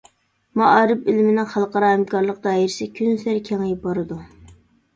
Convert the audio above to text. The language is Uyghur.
مائارىپ ئىلمىنىڭ خەلقئارا ھەمكارلىق دائىرىسى كۈنسېرى كېڭىيىپ بارىدۇ.